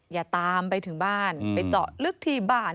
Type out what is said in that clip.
อย่าตามไปถึงบ้านไปเจาะลึกที่บ้าน